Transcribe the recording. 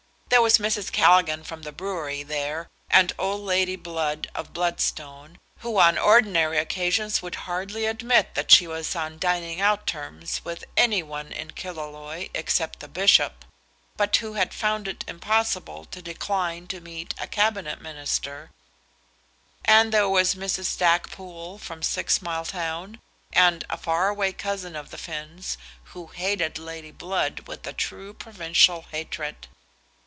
There was Mrs. Callaghan from the brewery there, and old Lady Blood, of Bloodstone, who on ordinary occasions would hardly admit that she was on dining out terms with any one in Killaloe except the bishop, but who had found it impossible to decline to meet a Cabinet Minister, and there was Mrs. Stackpoole from Sixmiletown, a far away cousin of the Finns, who hated Lady Blood with a true provincial hatred.